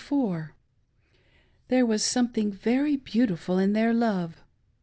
be fore "— thqre was something very be^ytif ul in their loves